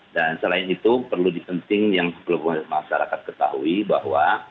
dan selain itu perlu di penting yang masyarakat ketahui bahwa